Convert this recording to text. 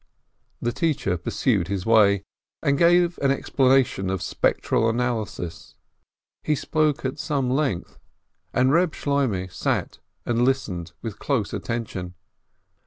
The teacher pursued his way, and gave an explanation of spectral analysis. He spoke at some length, and Eeb Shloimeh sat and listened with close attention.